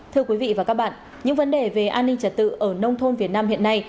thưa quý vị và các bạn những vấn đề về an ninh trật tự ở nông thôn việt nam hiện nay